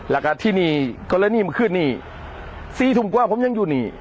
แล้วก็ที่นี่ก็เลยนี่มันขึ้นนี่สี่ถุงกว่าผมยังอยู่นี่